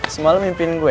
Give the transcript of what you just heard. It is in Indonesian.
semalam mimpiin gua ya